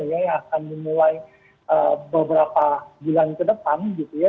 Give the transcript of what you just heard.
yang akan dimulai beberapa bulan ke depan gitu ya